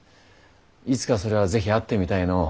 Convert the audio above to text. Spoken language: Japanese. いつかそれは是非会ってみたいのう。